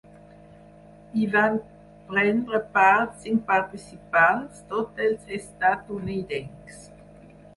Hi van prendre part cinc participants, tots ells estatunidencs.